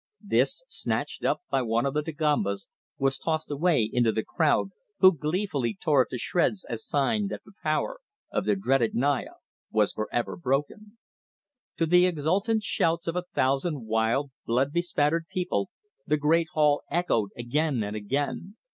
This, snatched up by one of the Dagombas, was tossed away into the crowd, who gleefully tore it to shreds as sign that the power of the dreaded Naya was for ever broken. To the exultant shouts of a thousand wild, blood bespattered people, the great hall echoed again and again.